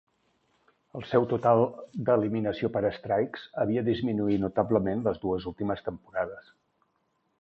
El seu total d'eliminació per strikes havia disminuït notablement les dues últimes temporades.